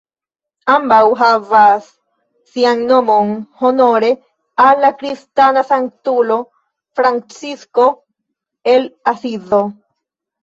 Ambaŭ havas sian nomon honore al la kristana sanktulo Francisko el Asizo.